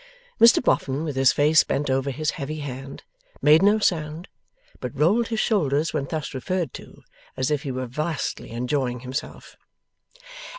Mr Boffin, with his face bent over his heavy hand, made no sound, but rolled his shoulders when thus referred to, as if he were vastly enjoying himself.